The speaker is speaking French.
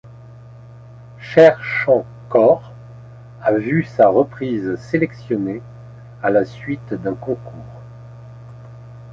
Chair Chant Corps a vu sa reprise sélectionnée à la suite d'un concours.